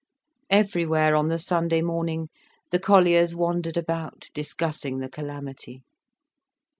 Everywhere on the Sunday morning, the colliers wandered about, discussing the calamity.